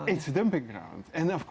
itu tempat penumpang